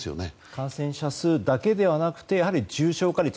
感染者数だけではなくてやはり重症化率